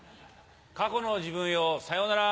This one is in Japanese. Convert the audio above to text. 過去の自分よさよなら。